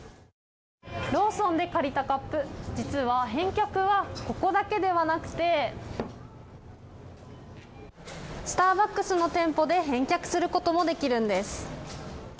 ローソンで借りたカップ、実はここだけではなくてスターバックスの店舗で返却することもできるんです。